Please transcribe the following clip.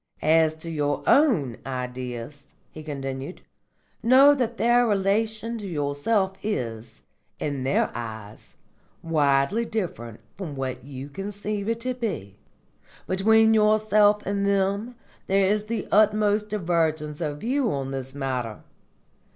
"As to your own Ideas," he continued, "know that their relation to yourself is, in their eyes, widely different from what you conceive it to be. Between yourself and them there is the utmost divergence of view on this matter.